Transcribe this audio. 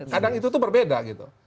kadang itu tuh berbeda gitu